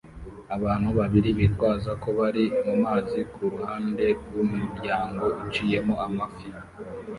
Abantu babiri bitwaza ko bari mumazi kuruhande rwumuryango uciyemo amafi